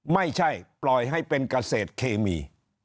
ไม่ใช่ปล่อยให้เป็นกระเศษเคมี